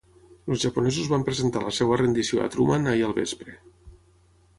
Els japonesos van presentar la seva rendició a Truman ahir al vespre.